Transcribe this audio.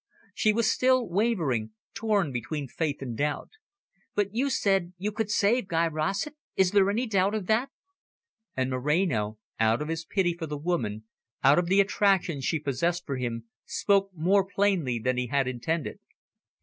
She was still wavering, torn between faith and doubt. "But you said you could save Guy Rossett? Is there any doubt of that?" And Moreno, out of his pity for the woman, out of the attraction she possessed for him, spoke more plainly than he had intended.